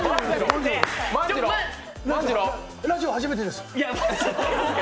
ラジオ初めてです！